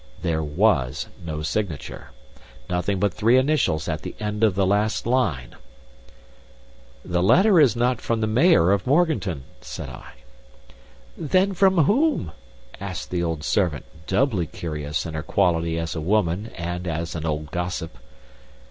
There was no signature! Nothing but three initials at the end of the last line! "The letter is not from the Mayor of Morganton," said I. "Then from whom?" asked the old servant, doubly curious in her quality as a woman and as an old gossip.